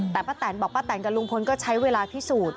แต่ป้าแตนบอกป้าแตนกับลุงพลก็ใช้เวลาพิสูจน์